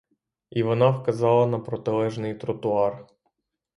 І вона вказала на протилежний тротуар.